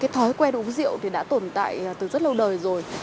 thói quen uống rượu thì đã tồn tại từ rất lâu đời rồi